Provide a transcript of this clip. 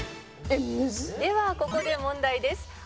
「ではここで問題です」